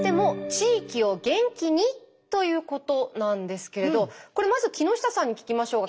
ということなんですけれどこれまずは木下さんに聞きましょうか。